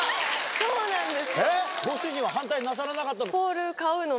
そうなんです。